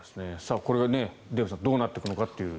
これがデーブさんどうなってくるのかという。